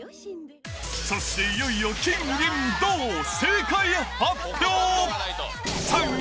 そしていよいよ金銀銅、正解発表。